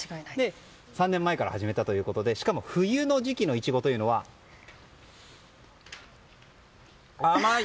３年前から始めたということでしかも冬の時期のイチゴは甘い！